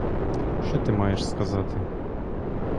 Що ти маєш сказати?